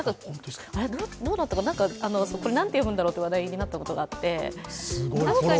どうだったかな、何て読むんだろうって話題になったことがあって。